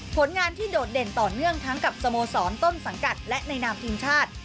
ผลงานที่โดดเด่นต่อเนื่องทั้งกับสโมสรต้นสังกัดและในนามทีมชาติ